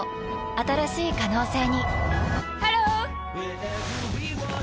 新しい可能性にハロー！